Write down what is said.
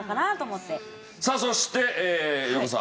さあそして横澤。